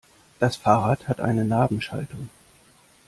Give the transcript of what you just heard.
Das Fahrrad hat eine Nabenschaltung.